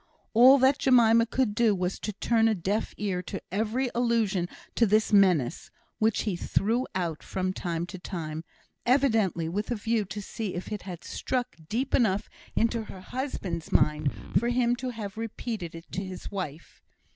All that Jemima could do was to turn a deaf ear to every allusion to this menace, which he threw out from time to time, evidently with a view to see if it had struck deep enough into her husband's mind for him to have repeated it to his wife.